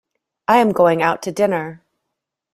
I am going out to dinner.